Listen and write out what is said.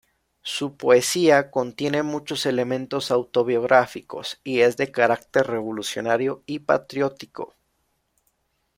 Su poesía contiene muchos elementos autobiográficos y es de carácter revolucionario y patriótico.